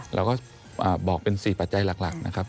เราก็บอกเป็น๔ปัจจัยหลักนะครับ